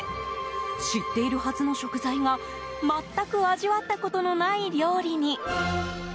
知っているはずの食材が全く味わったことのない料理に。